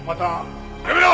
やめろ！